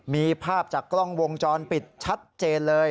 มีภาพจากกล้องวงจรปิดชัดเจนเลย